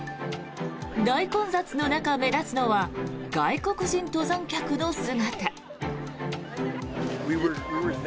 大混雑の中、目立つのは外国人登山客の姿。